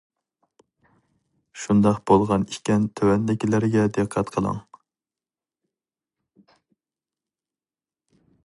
شۇنداق بولغان ئىكەن تۆۋەندىكىلەرگە دىققەت قىلىڭ.